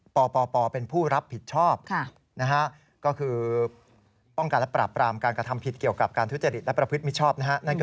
ปปปเป็นผู้รับผิดชอบ